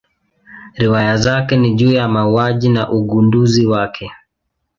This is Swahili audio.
Riwaya zake ni juu ya mauaji na ugunduzi wake.